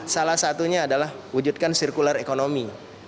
salah satunya adalah wujudkan circular ekonomi